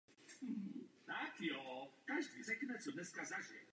Sparta tak nastoupila cestu stát se hegemonii v Řecku.